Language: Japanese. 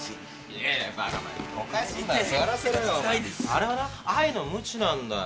あれはな愛のムチなんだよ。